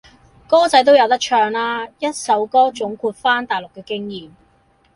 歌仔都有得唱，一首歌總括番大陸嘅經驗